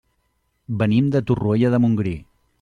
Venim de Torroella de Montgrí.